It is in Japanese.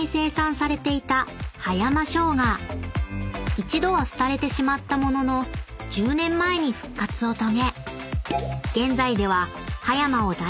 ［一度は廃れてしまったものの１０年前に復活を遂げ現在では］